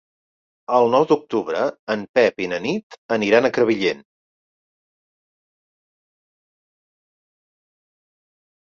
El nou d'octubre en Pep i na Nit aniran a Crevillent.